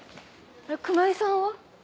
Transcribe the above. あれ熊井さんは？